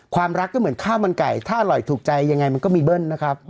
ความรักก็เหมือนข้าวมันไก่ถ้าอร่อยถูกใจยังไงมันก็มีเบิ้ลนะครับ